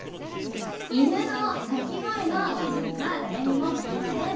犬の鳴き声の技術は、誰にも負けません。